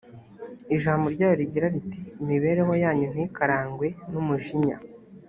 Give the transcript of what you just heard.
ijambo ryayo rigira riti imibereho yanyu ntikarangwe n’umujinya